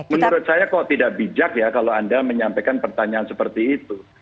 menurut saya kok tidak bijak ya kalau anda menyampaikan pertanyaan seperti itu